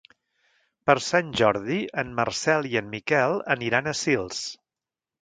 Per Sant Jordi en Marcel i en Miquel aniran a Sils.